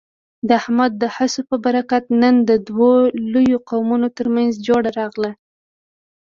د احمد د هڅو په برکت، نن د دوو لویو قومونو ترمنځ جوړه راغله.